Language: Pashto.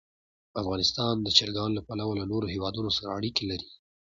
افغانستان د چرګان له پلوه له نورو هېوادونو سره اړیکې لري.